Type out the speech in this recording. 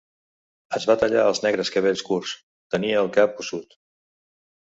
Es va tallar els negres cabells curts, tenia el cap ossut.